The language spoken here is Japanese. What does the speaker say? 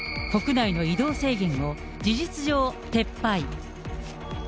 国内の移動制限を事実上撤廃。